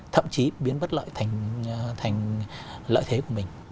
thậm chí biến bất lợi thành lợi thế của mình